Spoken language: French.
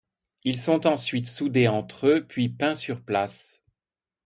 Ils sont ensuite soudés entre eux, puis peints sur place.